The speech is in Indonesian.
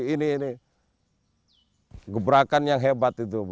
ini ini gebrakan yang hebat itu